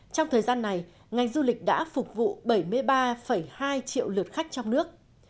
trong thời gian này ngành du lịch đã phục vụ bảy mươi ba hai triệu lượt khách trong nước